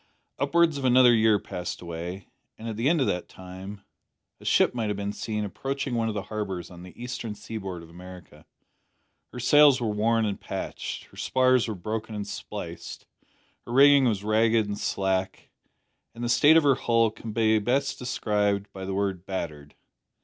Upwards of another year passed away, and at the end of that time a ship might have been seen approaching one of the harbours on the eastern seaboard of America. Her sails were worn and patched. Her spars were broken and spliced. Her rigging was ragged and slack, and the state of her hull can be best described by the word `battered.'